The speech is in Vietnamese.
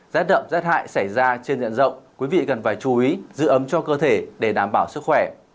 rát đậm rét hại xảy ra trên diện rộng quý vị cần phải chú ý giữ ấm cho cơ thể để đảm bảo sức khỏe